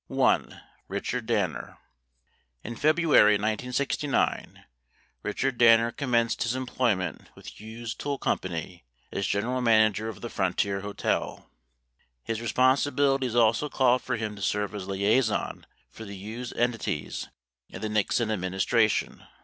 1. RICHARD DANNER In February 1969, Richard Danner commenced his employment with Hughes Tool Co. as general manager of the Frontier Hotel. 21 His responsibilities also called for him to serve as liaison for the Hughes entities and the Nixon administration.